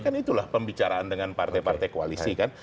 kan itulah pembicaraan dengan partai partai koalisi kan